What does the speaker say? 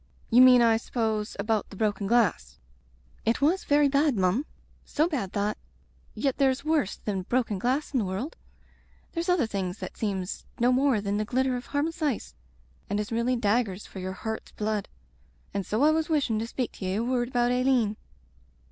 "You mean, I suppose, about the broken glass." "It was very bad, mum; so bad that ... yet there's worse than broken glass in the world. There's other things that seems no more than the glitter of harmless ice and is really daggers for your heart's blood ..• an' so I was wishin' to speak to ye a word about Aileen.